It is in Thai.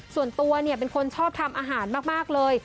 ส่วนตัวเป็นคนชอบทำอาหารมากเลย